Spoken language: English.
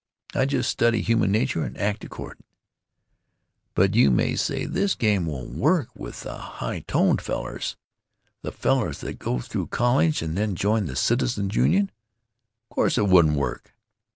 I just study human nature and act accordin'. But you may say this game won't work with the high toned fellers, the fellers that go through college and then join the Citizens' Union. Of course it wouldn't work.